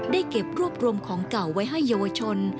เก็บรวบรวมของเก่าไว้ให้เยาวชน